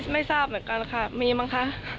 ไม่ทราบเหมือนกันค่ะมีมั้งคะ